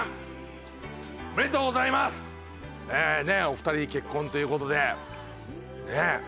お二人結婚という事でねえ。